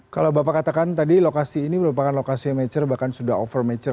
kalau bapak katakan tadi lokasi ini merupakan lokasi yang mature bahkan sudah over mature